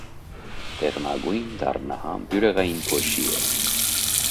Դեղնագույն, դառնահամ, բյուրեղային փոշի է։